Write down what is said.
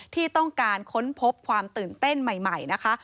ที่ต้องการค้นพบความตื่นเต้นใหม่นะคะ